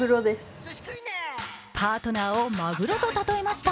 パートナーをまぐろと例えました。